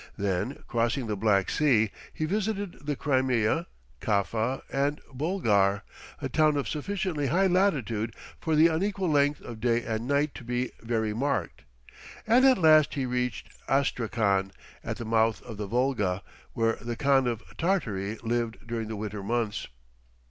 Then, crossing the Black Sea, he visited the Crimea, Kaffa, and Bulgar, a town of sufficiently high latitude for the unequal length of day and night to be very marked; and at last he reached Astrakhan, at the mouth of the Volga, where the Khan of Tartary lived during the winter months.